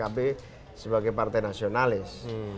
pemimpin pkb sebagai partai nasionalis